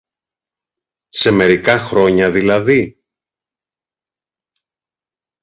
Σε μερικά χρόνια δηλαδή;